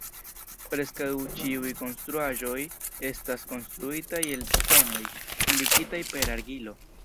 Preskaŭ ĉiuj konstruaĵoj estas konstruitaj el ŝtonoj, ligitaj per argilo.